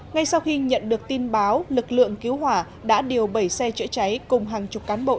ngay sau khi nhận được tin báo lực lượng cứu hỏa đã điều bảy xe chữa cháy cùng hàng chục cán bộ